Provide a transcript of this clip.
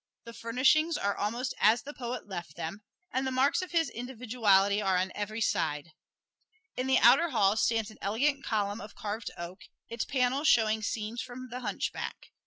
The furnishings are almost as the poet left them, and the marks of his individuality are on every side. In the outer hall stands an elegant column of carved oak, its panels showing scenes from "The Hunchback."